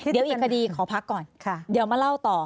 เดี๋ยวอีกคดีขอพักก่อนเดี๋ยวมาเล่าต่อ